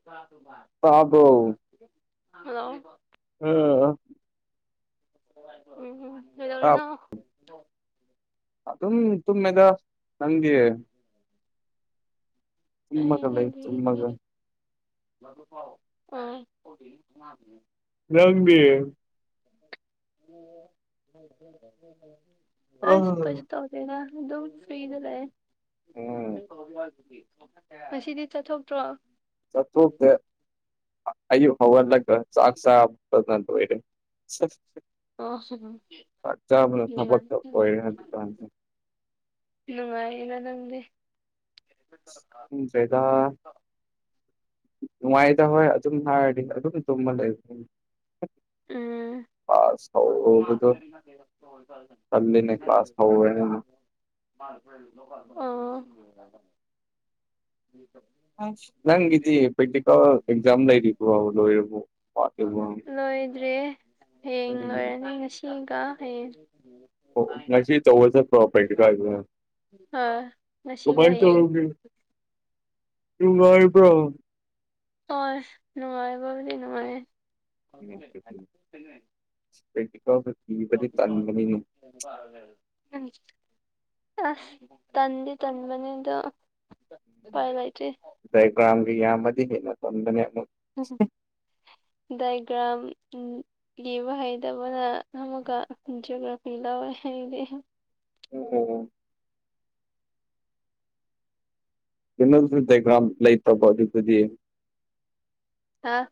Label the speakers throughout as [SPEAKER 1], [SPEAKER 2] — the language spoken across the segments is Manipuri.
[SPEAKER 1] [unintelligible]
[SPEAKER 2] ꯇꯥꯕ꯭ꯔꯣ꯫
[SPEAKER 1] ꯍꯜꯂꯣ꯫
[SPEAKER 2] [unintelligible]
[SPEAKER 1] ꯎꯝ
[SPEAKER 2] ꯑ
[SPEAKER 1] ꯀꯩꯗꯧꯔꯤꯅꯣ
[SPEAKER 2] ꯑꯗꯨꯝ ꯇꯨꯝꯃꯦ ꯗꯥ ꯅꯪꯒꯤ
[SPEAKER 1] ꯎꯝ ꯎꯝ [unintelligible]
[SPEAKER 2] ꯇꯨꯝꯃꯒ ꯂꯩ ꯇꯨꯝꯃꯒ
[SPEAKER 1] ꯎ [unintelligible]
[SPEAKER 2] ꯅꯪꯗꯤ ꯑ
[SPEAKER 1] ꯑꯩꯁ ꯀꯁ ꯇꯧꯗꯦ ꯗꯥ ꯐ꯭ꯔꯤꯗꯥ
[SPEAKER 2] ꯎꯝ
[SPEAKER 1] ꯉꯁꯤꯗꯤ ꯆꯠꯊꯣꯛꯇ꯭ꯔꯣ
[SPEAKER 2] ꯆꯠꯊꯣꯛ ꯇꯦ ꯑꯌꯨꯛ ꯍꯋꯥꯠꯂꯒ ꯆꯥꯛ ꯆꯥ ꯂꯣꯏꯔꯦ ꯁ [unintelligible]
[SPEAKER 1] ꯑꯣ ꯁꯣꯏꯚꯝ
[SPEAKER 2] ꯊꯕꯛꯇ ꯑꯣꯏꯔꯦ ꯍꯧꯖꯤꯛꯀꯥꯟꯁꯦ
[SPEAKER 1] [inaudible] ꯅꯨꯡꯉꯥꯏꯌꯦꯅ ꯅꯪꯗꯤ
[SPEAKER 2] ꯎꯪ ꯗꯔꯦꯗ ꯅꯨꯡꯉꯥꯏꯗ ꯍꯣꯏ ꯑꯗꯨꯝ ꯍꯥꯏꯔꯗꯤ ꯑꯗꯨꯝ ꯇꯨꯝꯃ ꯂꯩꯕ
[SPEAKER 1] ꯎꯝ ꯍꯣꯏ ꯗꯨ ꯃꯥ [inaudible]
[SPEAKER 2] ꯍꯧꯕꯗꯣ ꯇꯜꯂꯤꯅꯦ ꯀ꯭ꯂꯥꯁ ꯍꯧꯔꯦꯅ
[SPEAKER 1] ꯑꯣ
[SPEAKER 2] ꯅꯪꯒꯤꯗꯤ ꯄ꯭ꯔꯦꯛꯇꯤꯀꯦꯜ ꯑꯦꯛꯖꯥꯝ ꯂꯩꯔꯤꯕ꯭ꯔꯣ ꯂꯣꯏꯔꯕꯣ ꯋꯥꯠꯂꯤꯕꯣ
[SPEAKER 1] ꯂꯣꯏꯠ ꯗ꯭ꯔꯌꯦ ꯍꯌꯦꯡ
[SPEAKER 2] ꯎꯝ
[SPEAKER 1] ꯂꯣꯏꯔꯅꯤ ꯉꯁꯤꯒ ꯍꯌꯦꯡ
[SPEAKER 2] ꯑꯣ ꯑꯣ ꯉꯁꯤ ꯆꯧꯕ ꯆꯞꯄꯔꯣ ꯄꯩꯟꯇꯦ ꯀꯥꯏꯗꯨꯅ
[SPEAKER 1] ꯍ ꯉꯁꯤꯒꯍ ꯍꯌꯦꯡ
[SPEAKER 2] ꯇꯨꯝꯂꯣꯏꯕ꯭ꯔꯣ
[SPEAKER 1] ꯑꯣꯏ ꯅꯨꯡꯉꯥꯏꯕ ꯕꯨꯗꯤ ꯅꯨꯡꯉꯥꯏꯌꯦ
[SPEAKER 2] ꯄꯦꯟꯇꯤꯀꯜꯕ ꯄꯤꯕꯗꯤ ꯇꯟꯕꯅꯤꯅꯦ
[SPEAKER 1] ꯊꯣꯡꯕꯥꯜꯂ ꯂꯩꯍꯜ ꯑꯝ ꯑ ꯇꯟꯗꯤ ꯇꯟꯕꯅꯦꯗ ꯄꯥꯏ ꯂꯩꯥꯇ꯭ꯔꯤ
[SPEAKER 2] ꯗꯥꯏꯒ꯭ꯔꯥꯝꯒ ꯌꯥꯝꯃꯗꯤ ꯍꯦꯅ ꯄꯝꯕꯅꯦ ꯑꯃꯛ
[SPEAKER 1] ꯍꯝ ꯍꯝ ꯗꯥꯏꯒ꯭ꯔꯝ ꯑꯝ ꯂꯤꯕ ꯍꯩꯇꯕꯅ ꯑꯃꯨꯒ ꯖꯤꯑꯣꯒ꯭ꯔꯥꯐꯤ ꯂꯧꯋꯦ ꯍꯌꯦꯡꯗꯤ
[SPEAKER 2] ꯑꯣ ꯑꯣ ꯑꯣ ꯀꯦꯟꯗꯜꯖꯨ ꯗꯀ꯭ꯔꯥꯝ ꯂꯩꯇꯕ ꯑꯗꯨꯗꯨꯗꯤ
[SPEAKER 1] ꯍꯥꯥ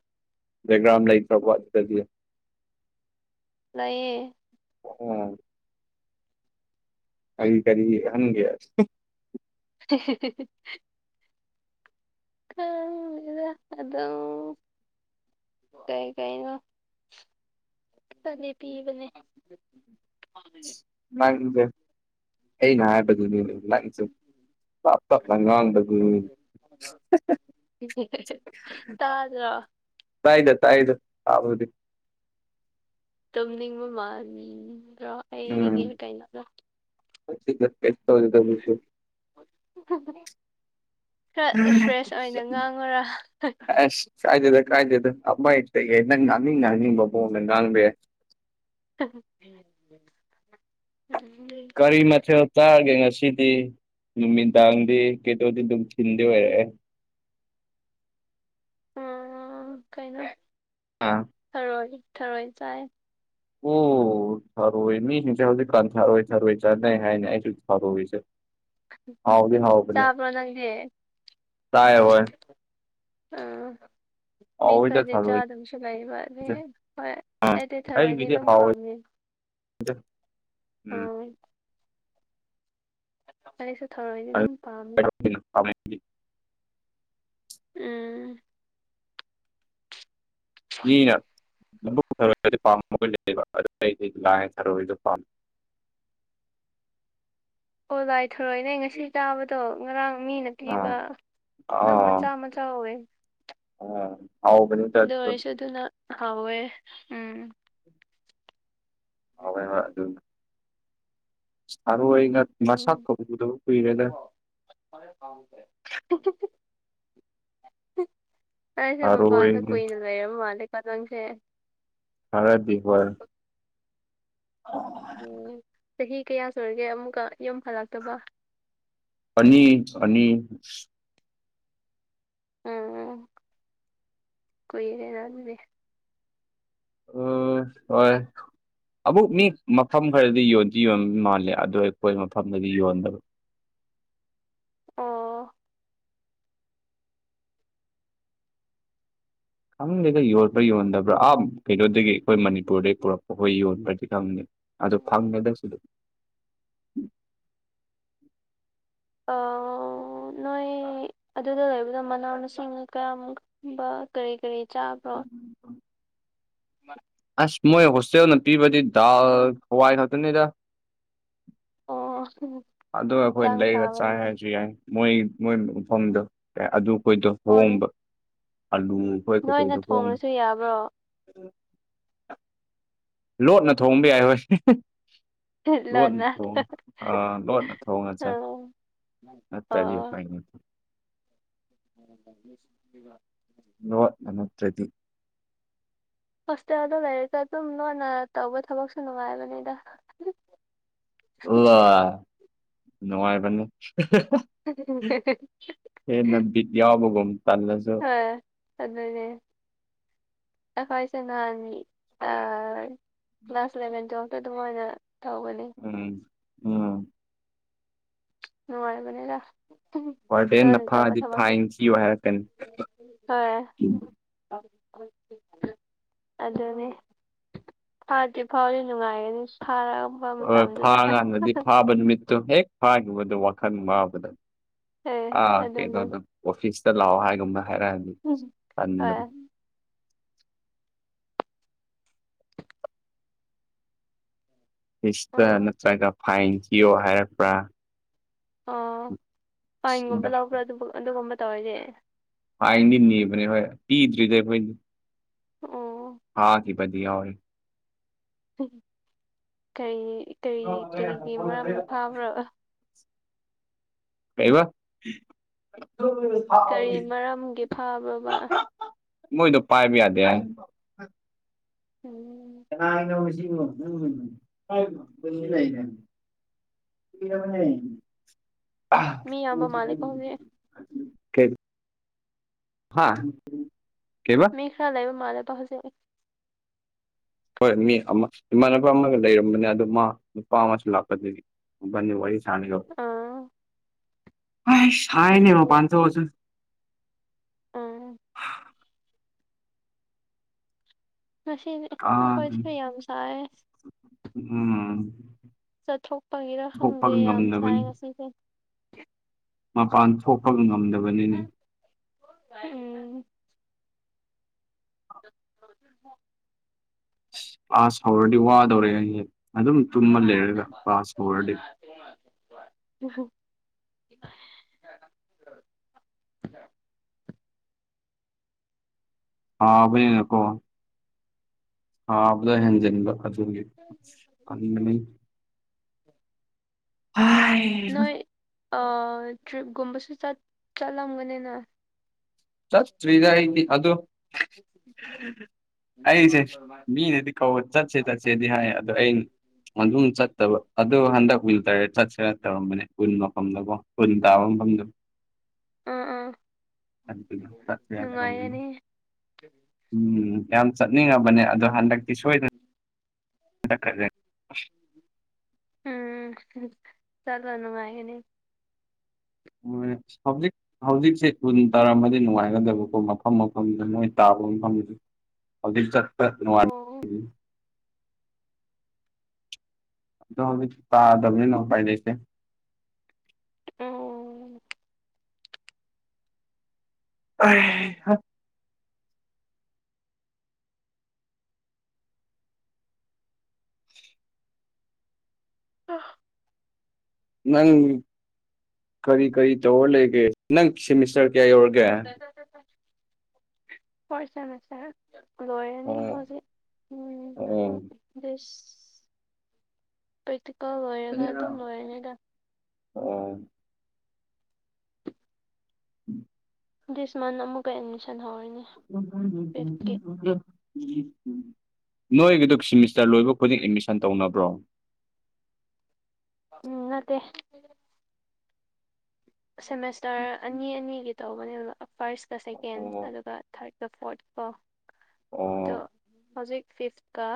[SPEAKER 2] ꯗꯥꯏꯒ꯭ꯔꯥꯝ ꯂꯩꯇꯕꯣ ꯑꯗꯨꯗꯒꯤ
[SPEAKER 1] ꯂꯩꯌꯦ
[SPEAKER 2] ꯑꯣ ꯑꯩ ꯀꯔꯤ ꯍꯟꯒꯦ
[SPEAKER 1] ꯍꯦ ꯍꯦ ꯍꯦ ꯍꯦ ꯀꯥꯡꯗꯦꯗ ꯑꯗꯣ ꯀꯩ ꯀꯩꯏꯅꯣ ꯀꯤꯇꯅꯦ ꯄꯤꯕꯅꯦ
[SPEAKER 2] ꯅꯪꯏꯌꯨꯕꯦꯞ ꯑꯩ ꯅ ꯍꯥꯏꯕꯗꯨꯅꯤꯅꯦ ꯅꯪꯁꯨ ꯄꯥꯞ ꯄꯞꯅ ꯉꯥꯡꯕꯗꯨꯅꯤ
[SPEAKER 1] ꯇꯥꯗꯔꯣ
[SPEAKER 2] ꯇꯥꯏꯗ ꯇꯥꯏꯗ ꯇꯥꯕꯕꯨꯗꯤ
[SPEAKER 1] ꯇꯨꯝꯅꯤꯡꯕ ꯃꯥꯟꯕ꯭ꯔꯥ ꯑꯩꯒꯤ
[SPEAKER 2] ꯎꯝ
[SPEAKER 1] ꯀꯩꯅꯣꯗꯣ ꯈꯔ ꯐ꯭ꯔꯦꯁ ꯑꯣꯏꯅ ꯉꯥꯡꯉꯨꯔ
[SPEAKER 2] ꯆꯥꯏꯗꯦꯗ ꯀꯥꯏꯗꯦꯗ ꯑꯃꯌꯦꯛꯇꯒꯦ ꯅꯪ ꯉꯥꯡꯅꯤꯡ ꯉꯥꯡꯅꯤꯡꯕ ꯃꯑꯣꯡꯗ ꯉꯥꯡꯕ ꯌꯥꯏ
[SPEAKER 1] ꯍ ꯍ ꯎꯝ ꯂꯩ
[SPEAKER 2] ꯀꯔꯤ ꯃꯊꯦꯜ ꯇꯥꯒꯦ ꯉꯁꯤꯗꯤ ꯅꯨꯃꯤꯗꯥꯡꯗꯤ ꯀꯩꯗꯣꯗꯤ ꯑꯗꯨꯝ ꯊꯤꯟꯗꯤ ꯑꯣꯏꯔꯛꯑꯦ
[SPEAKER 1] ꯑꯥ ꯎꯝ ꯀꯩꯅꯣ
[SPEAKER 2] ꯑꯥ
[SPEAKER 1] ꯊꯔꯣꯏ ꯊꯔꯣꯏ ꯆꯥꯏ
[SPEAKER 2] ꯑꯣ ꯊꯔꯣꯏ ꯃꯤ ꯁꯤꯡꯁꯦ ꯍꯧꯖꯤꯛ ꯀꯥꯟ ꯊꯔꯣꯏ ꯊꯔꯣꯏ ꯆꯅꯩ ꯍꯥꯏꯅꯦ ꯑꯁꯨ ꯊꯔꯣꯏꯁꯦ ꯍꯥꯎꯗꯤ ꯍꯥꯎꯕꯅꯦ
[SPEAKER 1] ꯆꯥꯕꯣ ꯅꯪꯗꯤ
[SPEAKER 2] ꯆꯥꯏ ꯍꯣꯏ
[SPEAKER 1] ꯑ ꯃꯤ
[SPEAKER 2] ꯍꯥꯎꯋꯤꯗ
[SPEAKER 1] ꯈꯗꯤ
[SPEAKER 2] ꯊꯔꯣꯏꯁꯦ
[SPEAKER 1] ꯆꯥꯗꯕꯁꯨ ꯂꯩꯌꯦꯕ ꯔꯦ ꯍꯣꯏ
[SPEAKER 2] ꯑꯥ
[SPEAKER 1] ꯑꯩꯗꯤ ꯊꯔꯣꯏꯗꯤ ꯑꯗꯨꯝ ꯄꯥꯝꯃꯦ
[SPEAKER 2] ꯑꯗꯣ
[SPEAKER 1] ꯑꯣꯏ ꯑꯩꯁꯨ ꯊꯔꯣꯏꯗꯤ ꯑꯗꯨꯝ ꯄꯥꯝꯃꯤ
[SPEAKER 2] ꯐ
[SPEAKER 1] ꯎꯝ
[SPEAKER 2] ꯃꯤꯅ ꯅꯕꯨ ꯊꯔꯣꯏꯒꯗꯤ ꯄꯥꯝꯝꯕ ꯂꯩꯕ ꯑꯗꯨ ꯑꯩꯗꯤ ꯂꯥꯏ ꯊꯔꯣꯏꯁꯨ ꯄꯥꯝꯃꯦ
[SPEAKER 1] ꯑꯣ ꯂꯥꯏꯊꯣꯔꯛꯏꯅꯦ ꯉꯁꯤ ꯆꯥꯕꯗꯣ ꯉꯔꯥꯡ ꯃꯤꯅ
[SPEAKER 2] ꯑꯥ
[SPEAKER 1] ꯊꯤꯕ ꯑꯗꯨꯝ ꯃꯆꯥ ꯃꯆꯥ ꯑꯣꯏꯦ
[SPEAKER 2] ꯑ ꯑꯥꯎꯕ
[SPEAKER 1] ꯗꯔꯁꯨ ꯑꯗꯨꯅ ꯍꯥꯎꯋꯦ ꯎꯝ
[SPEAKER 2] ꯑꯥꯏ ꯑꯗꯨ ꯁꯔ ꯋꯥ ꯑꯣꯏ ꯏ ꯉ ꯃꯁꯥꯖ
[SPEAKER 1] ꯎꯝ
[SPEAKER 2] ꯀꯧꯗ ꯀꯤꯔꯦꯦ
[SPEAKER 1] [unintelligible] ꯑꯩꯁꯦ
[SPEAKER 2] ꯊꯔꯣꯏ
[SPEAKER 1] ꯃꯄꯥꯟꯗ ꯀꯨꯏꯅ ꯂꯩꯔꯕ ꯃꯥꯜꯂꯦ ꯀꯇꯪꯁꯦ
[SPEAKER 2] ꯍꯔꯗꯤꯚꯔ
[SPEAKER 1] ꯎꯝ ꯆꯍꯤ ꯀꯌꯥ ꯁꯨꯔꯒꯦ ꯑꯃꯨꯛꯀ ꯌꯨꯝ ꯐꯠꯂꯛꯇꯕ
[SPEAKER 2] ꯑꯅꯤ ꯑꯅꯤ
[SPEAKER 1] ꯎꯝ ꯀꯔꯅꯥ ꯑꯗꯨꯃꯦ
[SPEAKER 2] ꯎ ꯍꯣꯏ ꯑꯕꯨꯛ ꯃꯤ ꯃꯐꯝ ꯈꯔꯗꯤ ꯌꯣꯟꯗꯤ ꯌꯣꯟꯕ ꯃꯥꯜꯂꯦ ꯑꯗꯨꯗꯣ ꯑꯩꯈꯣꯏ ꯃꯐꯝꯗꯗꯤ ꯌꯣꯟꯗꯕ
[SPEAKER 1] ꯑ
[SPEAKER 2] ꯈꯪꯗꯦꯗ ꯌꯣꯟꯕ꯭ꯔꯥ ꯌꯣꯟꯗꯕ꯭ꯔꯥ ꯑꯥꯞ ꯀꯩꯅꯣꯗꯒꯤ ꯑꯩꯈꯣꯏ ꯃꯅꯤꯄꯨꯔꯗꯒꯤ ꯄꯨꯔꯛꯄ ꯑꯩꯈꯣꯏ ꯌꯣꯟꯕ꯭ꯔꯗꯤ ꯈꯪꯗꯦ ꯑꯗꯨꯗꯣ ꯐꯪꯃꯦꯗꯁꯨ
[SPEAKER 1] ꯅꯣꯏ ꯑꯗꯨꯗ ꯂꯩꯕꯗꯣ ꯃꯅꯥꯎ ꯃꯁꯤꯡꯅ ꯀꯌꯥꯝꯕ ꯀꯔꯤ ꯀꯔꯤ ꯆꯥꯕ꯭ꯔꯣ [unintelligible]
[SPEAKER 2] ꯑꯁ ꯃꯣꯏ ꯍꯣꯁꯇꯦꯜꯅ ꯄꯤꯕꯗꯤ ꯗꯥꯜ ꯍꯋꯥꯏ ꯈꯥꯛꯇꯅꯤꯗ
[SPEAKER 1] ꯑꯣ
[SPEAKER 2] ꯑ ꯑꯩꯈꯣꯏ
[SPEAKER 1] ꯍꯛꯆꯥꯡ
[SPEAKER 2] ꯂꯩꯒ ꯆꯥꯏ
[SPEAKER 1] ꯐꯕꯒꯤꯅꯦ
[SPEAKER 2] ꯍꯥꯏꯔꯁꯨ ꯌꯥꯏ ꯃꯣꯏ ꯃꯣꯏ ꯃꯐꯝꯗꯣ ꯑꯗꯨ ꯑꯩꯈꯣꯏꯗ
[SPEAKER 1] ꯑꯣ
[SPEAKER 2] ꯍꯣꯡꯕ ꯑꯂꯨ ꯈꯣꯏ
[SPEAKER 1] ꯅꯣꯏꯅ
[SPEAKER 2] ꯀꯩꯀꯩꯗꯣ ꯍꯣꯡꯉꯦ
[SPEAKER 1] ꯊꯣꯡꯉꯁꯨ ꯌꯥꯕ꯭ꯔꯣ
[SPEAKER 2] ꯂꯣꯠꯅ ꯊꯣꯡꯕ ꯌꯥꯏ ꯍꯣꯏ ꯌ
[SPEAKER 1] ꯂꯣꯟꯅ
[SPEAKER 2] ꯑ ꯂꯣꯟꯅ ꯊꯣꯡꯅ ꯆꯥꯏ
[SPEAKER 1] ꯑꯣ
[SPEAKER 2] ꯅꯠꯇ꯭ꯔꯗꯤꯥꯏꯅꯤ
[SPEAKER 1] ꯑꯣꯕ
[SPEAKER 2] ꯅ ꯅꯃꯇ꯭ꯔꯦꯗꯤ
[SPEAKER 1] ꯍꯣꯁꯇꯦꯜꯗ ꯂꯩꯔꯤꯒ ꯑꯗꯨꯝ ꯅꯣꯟꯅ ꯇꯧꯕ ꯊꯕꯛꯁꯨ ꯅꯨꯡꯉꯥꯏꯕꯅꯤꯗ
[SPEAKER 2] ꯑꯣ ꯅꯉꯥꯏ ꯃꯅꯤ ꯍꯦꯟꯅꯕꯤ ꯌꯥꯎꯕꯒꯝ ꯇꯥꯟꯅ
[SPEAKER 1] ꯑ ꯑꯗꯨꯅꯦ ꯁꯦ ꯅ ꯑ ꯀ꯭ꯂꯥꯁ ꯏꯂꯚꯦꯟ ꯇꯦꯜꯐꯇ ꯑꯗꯨꯃꯥꯏꯅ ꯇꯧꯕꯅꯤ
[SPEAKER 2] ꯎꯝ ꯎꯝ
[SPEAKER 1] ꯅꯨꯡꯉꯥꯏꯕꯅꯦꯗ
[SPEAKER 2] ꯋꯥꯔꯗꯦꯟꯅ
[SPEAKER 1] ꯇꯧꯏꯅ ꯇꯧꯕ
[SPEAKER 2] ꯐꯥꯗꯤ
[SPEAKER 1] ꯊꯕꯛꯁꯨ
[SPEAKER 2] ꯐꯥꯏꯟ ꯊꯤꯌꯣ ꯍꯥꯏꯔꯛꯀꯅꯤ
[SPEAKER 1] ꯍꯣꯏ [unintelligible] ꯑꯗꯨꯅꯦ ꯐꯥꯗꯤ ꯐꯥꯎꯗꯤ ꯅꯨꯡꯉꯥꯏꯒꯅꯤ ꯐꯥꯔ
[SPEAKER 2] ꯍꯣꯏ ꯐꯥꯀꯥꯟꯗꯗꯤ ꯐꯥꯕ ꯅꯨꯃꯤꯠꯇꯣ ꯍꯦꯛ ꯐꯥꯈꯤꯕꯗꯣ ꯋꯥꯈꯜ ꯋꯥꯕꯗ
[SPEAKER 1] ꯑꯦ
[SPEAKER 2] ꯑꯥ
[SPEAKER 1] ꯑꯗꯨꯅ
[SPEAKER 2] ꯀꯩꯩꯅꯣꯗ ꯑꯣꯐꯤꯁꯇ ꯂꯥꯛꯑꯣ ꯍꯥꯏꯒꯨꯝꯕ ꯍꯥꯏꯔꯛꯑꯅꯤ
[SPEAKER 1] ꯎꯝ ꯍꯣꯏ ꯑꯣ
[SPEAKER 2] ꯑꯣꯐꯤꯁꯇ ꯅꯠꯇ꯭ꯔꯒ ꯐꯥꯏꯟ ꯊꯤꯌꯣ ꯍꯥꯏꯔꯛꯄ꯭ꯔꯥ
[SPEAKER 1] ꯑꯣ ꯐꯥꯏꯟꯒꯨꯝꯕ ꯂꯧꯕ꯭ꯔꯥ ꯑꯗꯨ ꯑꯗꯨꯒꯨꯝꯕ ꯇꯧꯔꯗꯤ
[SPEAKER 2] ꯐꯥꯏꯟꯗꯤ ꯅꯤꯕꯅꯦ ꯍꯣꯏ ꯄꯤꯗ꯭ꯔꯤꯗ ꯑꯩꯈꯣꯏ
[SPEAKER 1] ꯑꯣ
[SPEAKER 2] ꯐꯥꯈꯤꯕꯗꯤ ꯌꯥꯎꯋꯦ
[SPEAKER 1] ꯀꯩ ꯀꯩ ꯀꯔꯤꯒꯤ ꯃꯔꯝ ꯐꯥꯕ꯭ꯔꯣ
[SPEAKER 2] ꯀꯩꯕ [unintelligible]
[SPEAKER 1] ꯀꯔꯤ ꯃꯔꯝꯒꯤ ꯐꯥꯕ꯭ꯔꯕ
[SPEAKER 2] ꯃꯣꯏꯗꯣ ꯄꯥꯏꯕ ꯌꯥꯗꯦ ꯍꯥꯏ
[SPEAKER 1] ꯎꯝ
[SPEAKER 2] [unintelligible] [unintelligible]
[SPEAKER 1] ꯃꯤ ꯌꯥꯝꯕ ꯃꯥꯜꯂꯦꯀꯣ ꯍꯧꯖꯤꯛ
[SPEAKER 2] [unintelligible] ꯍꯥ ꯀꯩꯕ
[SPEAKER 1] ꯃꯤ ꯈꯔ ꯂꯩꯕ ꯃꯥꯜꯂꯦꯕ ꯍꯧꯖꯤꯛ
[SPEAKER 2] ꯍꯣꯏ ꯃꯤ ꯑꯃ ꯏꯃꯥꯟꯅꯕ ꯑꯃꯒ ꯂꯩꯔꯝꯕꯅꯦ ꯑꯗꯨ ꯃꯥ ꯅꯨꯄꯥ ꯑꯃꯁꯨ ꯂꯥꯛꯄꯗꯒꯤ ꯃꯕꯥꯅꯤ ꯋꯥꯔꯤ [unintelligible]
[SPEAKER 1] ꯑꯥ
[SPEAKER 2] ꯑꯩꯁ ꯁꯥꯏꯅꯦ
[SPEAKER 1] ꯉꯁꯤ
[SPEAKER 2] ꯃꯄꯥꯟ ꯊꯦꯛꯑꯁꯨ
[SPEAKER 1] ꯎꯝ ꯉꯁꯤꯗꯤ
[SPEAKER 2] ꯑꯥ
[SPEAKER 1] ꯑꯩꯈꯣꯏꯁꯨ ꯌꯥꯝ ꯁꯥꯏ
[SPEAKER 2] ꯎꯝ
[SPEAKER 1] ꯆꯠꯊꯣꯛꯄꯒꯤꯔ
[SPEAKER 2] ꯊꯣꯛꯄ
[SPEAKER 1] ꯈꯪꯗꯦ ꯌꯥꯝ ꯁꯥꯏ
[SPEAKER 2] ꯉꯝꯗꯕꯅꯤ
[SPEAKER 1] ꯉꯁꯤꯁꯦ
[SPEAKER 2] ꯃꯄꯥꯟ ꯊꯣꯛꯄꯒ ꯉꯝꯗꯕꯅꯤꯅꯤ
[SPEAKER 1] ꯎꯝ [inaudible]
[SPEAKER 2] ꯀ꯭ꯂꯥꯁ ꯍꯧꯔꯗꯤ ꯋꯥꯗꯧꯔꯦ ꯑꯩꯁꯦ ꯑꯗꯨꯝ ꯇꯨꯝꯃ ꯂꯩꯔꯒ ꯀ꯭ꯂꯥꯁ ꯍꯧꯔꯗꯤ
[SPEAKER 1] [unintelligible]
[SPEAKER 2] ꯁꯥꯕꯅꯦꯅꯀꯣ ꯁꯥꯕꯗꯣ
[SPEAKER 1] ꯎꯝ
[SPEAKER 2] ꯍꯦꯟꯖꯤꯟꯕ ꯑꯗꯨꯒꯤ ꯇꯟꯕꯅꯦ [unintelligible]
[SPEAKER 1] ꯅꯣꯏ ꯑ ꯇ꯭ꯔꯤꯞꯀꯨꯝꯕꯁꯨ ꯆꯠ ꯆꯠꯂꯝꯒꯅꯤꯅ
[SPEAKER 2] ꯆꯠꯇ꯭ꯔꯤꯗ ꯑꯩꯗꯤ ꯑꯗꯨ ꯑꯩꯁꯦ ꯃꯤꯅꯗꯤ ꯀꯧꯕ ꯆꯠꯁꯦ ꯆꯠꯁꯦꯗꯤ ꯍꯥꯏ ꯑꯗꯣ ꯑꯩꯅ ꯑꯗꯨꯝ ꯆꯠꯇꯕ ꯑꯗꯨ ꯍꯟꯗꯛ ꯋꯤꯟꯇꯔ ꯆꯠꯁꯤꯔ ꯇꯧꯔꯝꯕꯅꯦ ꯎꯟ ꯃꯐꯝꯗꯀꯣ ꯎꯟ ꯇꯥꯕ ꯃꯐꯝꯗꯨ
[SPEAKER 1] ꯎꯝ ꯎꯝ
[SPEAKER 2] [unintelligible] ꯎꯝ ꯌꯥꯝ ꯆꯠꯅꯤꯡꯉꯕꯅꯦ ꯑꯗꯣ ꯍꯟꯗꯛꯇꯤ ꯁꯣꯏꯗꯅ [unintelligible]
[SPEAKER 1] ꯎꯝ ꯆꯠꯂꯣ ꯅꯨꯡꯉꯥꯏꯒꯅꯤ
[SPEAKER 2] [unintelligible] ꯍꯧꯖꯤꯛ ꯍꯧꯖꯤꯛꯁꯦ ꯀꯨꯟ ꯇꯔꯥꯃꯗꯤ ꯅꯨꯡꯉꯥꯏꯒꯗꯕꯀꯣ ꯃꯐꯝ ꯃꯐꯝꯗ ꯃꯣꯏ ꯇꯥꯕ ꯃꯐꯝꯁꯦ ꯍꯧꯖꯤꯛ ꯆꯠꯄ
[SPEAKER 1] ꯑꯣ
[SPEAKER 2] [unintelligible] ꯑꯗꯨꯣ ꯍꯧ ꯇꯥꯗꯕꯅꯤꯅꯣ ꯄꯥꯏ ꯂꯩꯩꯇꯦ
[SPEAKER 1] ꯎꯝ
[SPEAKER 2] ꯍ
[SPEAKER 1] ꯑꯥ
[SPEAKER 2] ꯅꯪ ꯀꯔꯤ ꯀꯔꯤ ꯇꯧꯔ ꯂꯩꯒꯦ ꯅꯪ ꯁꯦꯃꯤꯁꯇꯔ ꯀꯌꯥ ꯌꯧꯔꯒꯦ
[SPEAKER 1] ꯄꯣꯏꯁꯥꯁ ꯂꯣꯏꯔꯅꯤ
[SPEAKER 2] ꯑꯣ
[SPEAKER 1] ꯍꯧꯖꯤꯛ ꯎꯝ ꯎ
[SPEAKER 2] ꯑꯣ
[SPEAKER 1] ꯁ ꯄ꯭ꯔꯦꯛꯇꯤꯀꯜ ꯂꯣꯏꯔꯒ ꯑꯗꯨꯝ ꯂꯣꯏꯔꯅꯤꯗ
[SPEAKER 2] ꯑꯣ ꯎꯝ
[SPEAKER 1] ꯗꯤꯁ ꯃꯟꯠ ꯑꯃꯨꯛꯀ ꯑꯦꯗꯃꯤꯁꯟ ꯍꯧꯔꯅꯤ ꯐꯤꯐꯀꯤ
[SPEAKER 2] [inaudible] ꯅꯣꯏꯒꯤꯗ ꯁꯤꯦꯃꯤꯁꯇꯔ ꯂꯣꯏꯕ ꯈꯨꯗꯤꯡ ꯑꯦꯠꯃꯤꯁꯟ ꯇꯧꯅꯕ꯭ꯔꯣ
[SPEAKER 1] ꯎꯝ ꯅꯠꯇꯦ ꯁꯦꯃꯤꯁꯇꯔ ꯑꯅꯤ ꯑꯅꯤꯒꯤ ꯇꯧꯕꯅꯦꯕ ꯐꯥꯔꯁꯀ ꯁꯦꯀꯦꯟ
[SPEAKER 2] ꯑꯣ
[SPEAKER 1] ꯑꯗꯨꯒ ꯊꯥꯔꯠꯀ ꯐꯣꯔꯠꯀꯣ ꯑꯗꯣ
[SPEAKER 2] ꯑꯣ
[SPEAKER 1] ꯍꯧꯖꯤꯛ ꯐꯤꯐ ꯀ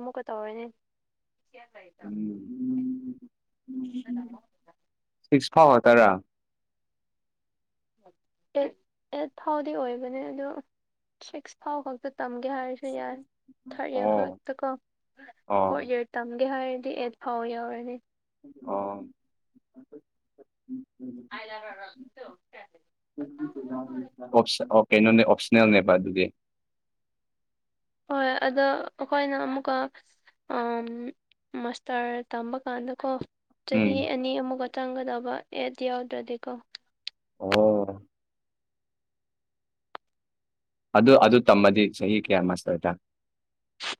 [SPEAKER 1] ꯕꯦꯛꯃꯨꯛꯀ ꯇꯧꯔꯣꯏꯅꯦ
[SPEAKER 2] ꯎꯝ ꯁꯤꯛꯁ ꯐꯥꯎ ꯇꯔꯥ
[SPEAKER 1] ꯑꯦꯠ ꯑꯦꯠ ꯊꯥꯎꯗꯤ ꯑꯣꯏꯕꯅꯦ ꯑꯗꯣ ꯁꯤꯛꯁ ꯊꯥꯎ ꯈꯛꯇ ꯇꯝꯒꯦ ꯍꯥꯏꯔꯁꯨ ꯌꯥꯔ ꯊꯥꯔꯠ ꯏꯌꯥꯔ
[SPEAKER 2] ꯑꯣ
[SPEAKER 1] ꯐꯥꯎꯛꯇ ꯀꯣ ꯐꯣꯔ
[SPEAKER 2] ꯑꯣ
[SPEAKER 1] ꯏꯌꯥꯔ ꯇꯝꯒꯦ ꯍꯥꯏꯔꯗꯤ ꯑꯩꯠ ꯐꯥꯎ ꯌꯥꯎꯔꯅꯤ
[SPEAKER 2] ꯑꯥ
[SPEAKER 1] ꯑꯥꯏꯗ ꯑꯗꯨꯔ
[SPEAKER 2] ꯑꯣ ꯑꯣ ꯀꯩꯅꯣꯅꯦ ꯑꯣꯞꯁꯅꯦꯜꯅꯦꯕ ꯑꯗꯨꯗꯤ
[SPEAKER 1] ꯍꯣꯏꯣꯏ ꯑꯗ ꯑꯩꯈꯣꯏꯅ ꯑꯃꯨꯛꯀ ꯑ ꯃꯁꯇꯔ ꯇꯝꯕ ꯀꯥꯟꯗꯀꯣ
[SPEAKER 2] ꯎꯝ
[SPEAKER 1] ꯆꯍꯤ ꯑꯅꯤ ꯑꯃꯨꯛꯒ ꯆꯪꯒꯗꯕ ꯑꯦꯗ ꯌꯥꯎꯗ꯭ꯔꯗꯤꯀꯣ
[SPEAKER 2] ꯑꯣ ꯑꯗꯨ ꯑꯗꯨ ꯇꯝꯃꯗꯤ ꯆꯍꯤ ꯀꯌꯥꯃꯇꯋꯦꯇꯥ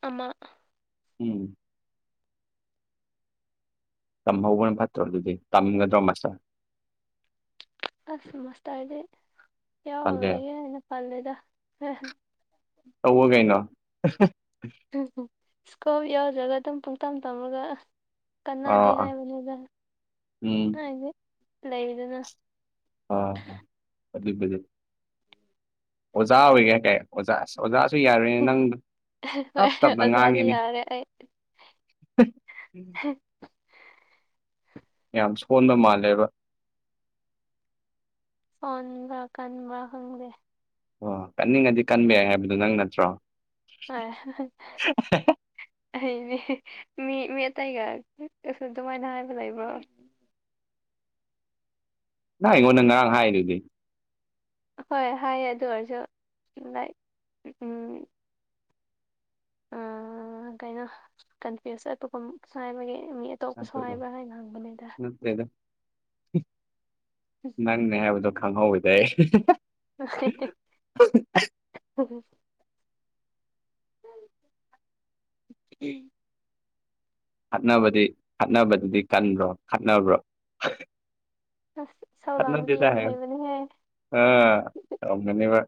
[SPEAKER 1] ꯑꯃ
[SPEAKER 2] ꯎꯝ ꯇꯝꯍꯧꯕꯅ ꯐꯠꯇ꯭ꯔꯣ ꯑꯗꯨꯗꯤ ꯇꯝꯒꯗ꯭ꯔꯣ ꯃꯆꯥ
[SPEAKER 1] ꯑꯁ ꯃꯥꯁꯇꯔꯗꯤ
[SPEAKER 2] ꯇꯜꯂꯦ
[SPEAKER 1] ꯌꯥꯎꯔꯔꯣꯏꯒꯦ ꯍꯥꯏꯅ ꯄꯜꯂꯦꯗꯅꯤ
[SPEAKER 2] ꯇꯧꯕ ꯀꯩꯅꯣ
[SPEAKER 1] ꯎꯝ ꯏꯁꯀꯣꯞ ꯌꯥꯎꯖꯒ ꯑꯗꯨꯝ ꯄꯨꯡꯇꯝ ꯇꯝꯃꯒ ꯀꯥꯟꯅꯗꯦ
[SPEAKER 2] ꯑꯥ ꯑꯥ
[SPEAKER 1] ꯍꯥꯏꯕꯅꯤ ꯑꯣꯖꯥ
[SPEAKER 2] ꯎꯝ
[SPEAKER 1] ꯍꯦ ꯂꯩꯗꯅ
[SPEAKER 2] ꯑ ꯑꯗꯨ ꯑꯣꯖꯥ ꯑꯣꯏꯒꯦ ꯀꯦ ꯑꯣꯖ ꯑꯣꯖꯥꯁꯨ ꯌꯥꯔꯨꯅꯦ ꯅꯪꯗ ꯇꯞ
[SPEAKER 1] ꯍꯣꯏ
[SPEAKER 2] ꯇꯞꯅ
[SPEAKER 1] ꯑꯣꯖꯥꯗꯤ
[SPEAKER 2] ꯉꯥꯡꯉꯤꯅꯤ
[SPEAKER 1] ꯌꯥꯔꯦ ꯑꯩ
[SPEAKER 2] [unintelligible] ꯌꯥꯝ ꯁꯣꯟꯕ ꯃꯥꯜꯂꯦꯕ
[SPEAKER 1] ꯁꯣꯟꯕ꯭ꯔꯥ ꯀꯟꯕ꯭ꯔꯥ ꯈꯪꯗꯦ
[SPEAKER 2] ꯑꯣ ꯀꯟꯅꯤꯡꯉꯗꯤ ꯀꯟꯕ ꯌꯥꯏ ꯍꯥꯏꯕꯗꯨꯣ ꯅꯪ ꯅꯠꯇ꯭ꯔꯣ
[SPEAKER 1] ꯑꯥ ꯑꯩꯅꯦ ꯃꯤ ꯃꯤ ꯑꯇꯩꯒ ꯀꯁꯨ ꯑꯗꯨꯃꯥꯏꯅ ꯍꯥꯏꯕ ꯂꯩꯕ꯭ꯔꯣ
[SPEAKER 2] ꯅꯍ ꯑꯩꯉꯣꯟꯗ ꯉꯔꯥꯡ ꯍꯥꯏꯗꯨꯗꯤ
[SPEAKER 1] ꯍꯣꯏ ꯍꯥꯏꯌꯦ ꯑꯗꯨ ꯑꯣꯏꯔꯁꯨ ꯂꯥꯏ ꯎꯝ ꯀꯩꯅꯣ ꯀꯟꯐ꯭ꯌꯨꯁ ꯆꯠꯄꯒꯨꯝ ꯁꯥꯏꯕꯒꯤ ꯃꯤ ꯑꯇꯣꯞꯄꯁꯨ
[SPEAKER 2] ꯅꯠꯇꯦꯗꯣ
[SPEAKER 1] ꯍꯥꯏꯕ꯭ꯔꯥ ꯍꯥꯏꯅ ꯍꯪꯕꯅꯤꯗ
[SPEAKER 2] ꯅꯠꯇꯦꯗ ꯅꯪꯦ ꯌꯥꯎꯗꯨꯣ ꯈꯪꯍꯧꯗꯦ
[SPEAKER 1] ꯑꯦ ꯎꯝ
[SPEAKER 2] ꯈꯠꯅꯕꯗꯤ ꯈꯠꯅꯕꯗꯨꯗꯤ ꯀꯟꯕ꯭ꯔꯣ ꯈꯠꯅꯕ꯭ꯔꯣ
[SPEAKER 1] ꯑꯁ ꯏꯁꯧ ꯂꯥꯡꯕꯗꯤ
[SPEAKER 2] ꯅꯗꯤꯗ
[SPEAKER 1] ꯌꯥꯝ
[SPEAKER 2] ꯍꯥꯏ
[SPEAKER 1] ꯍꯩꯕꯅꯦꯍꯦ
[SPEAKER 2] ꯑꯅꯅꯤꯕ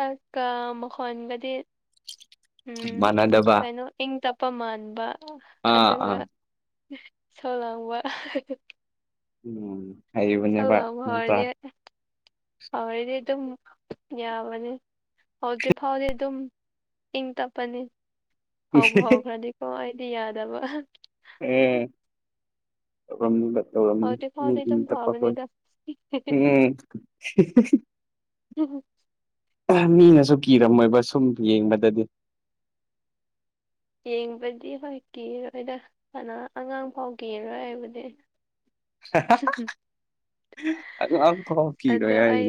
[SPEAKER 1] ꯑꯥ ꯀ ꯃꯈꯣꯟꯒꯗꯤ ꯎꯝ
[SPEAKER 2] ꯃꯥꯟꯅꯗꯕ
[SPEAKER 1] ꯀꯩꯅꯣ ꯏꯪ ꯇꯞꯄ ꯃꯥꯟꯕ
[SPEAKER 2] ꯑꯥ ꯑꯥ
[SPEAKER 1] ꯑꯗꯨꯒ ꯁꯣ ꯂꯥꯡꯕ
[SPEAKER 2] ꯎꯝ ꯍꯩꯕꯅꯦꯕ
[SPEAKER 1] ꯆꯜꯗ
[SPEAKER 2] ꯅꯠꯇ꯭ꯔꯥ
[SPEAKER 1] ꯐꯔꯒꯤ ꯍꯔꯗꯤ ꯑꯗꯨꯝ ꯌꯥꯕꯅꯤ ꯍꯧꯗ꯭ꯔꯤ ꯐꯥꯎꯗꯤ ꯑꯗꯨꯝ ꯏꯪ ꯇꯞꯄꯅꯤ ꯍꯥꯎꯕ ꯍꯧꯈ꯭ꯔꯗꯤꯀꯣ ꯑꯩꯗꯤ ꯌꯥꯗꯕ
[SPEAKER 2] ꯎꯝ ꯇꯧꯔꯝꯅꯤꯕ ꯇꯧꯔꯝꯅꯤ
[SPEAKER 1] ꯍꯧꯗ꯭ꯔꯤ
[SPEAKER 2] ꯃꯤ
[SPEAKER 1] ꯐꯥꯎꯗꯤ
[SPEAKER 2] ꯏꯅꯤ
[SPEAKER 1] ꯑꯗꯨꯝ
[SPEAKER 2] ꯇꯞꯄ ꯈꯣꯏ
[SPEAKER 1] ꯐꯕꯅꯤꯗ
[SPEAKER 2] ꯎꯝꯝ
[SPEAKER 1] ꯎꯝ
[SPEAKER 2] ꯃꯤꯅꯁꯨ ꯀꯤꯔꯝꯃꯣꯏꯕ ꯁꯨꯝ ꯌꯦꯡꯕꯗꯗꯤ
[SPEAKER 1] ꯌꯦꯡꯕꯗꯤ ꯍꯣꯏ ꯀꯤꯔꯣꯏꯗ ꯀꯅꯥ ꯑꯉꯥꯡ ꯐꯥꯎ ꯀꯤꯔꯣꯏ ꯍꯥꯏꯕꯨꯗꯤ
[SPEAKER 2] ꯑꯝꯐꯥꯎ
[SPEAKER 1] ꯑꯗꯣ
[SPEAKER 2] ꯀꯤꯔꯣꯏ ꯍꯥꯏꯁꯤꯅꯤ
[SPEAKER 1] ꯑꯩ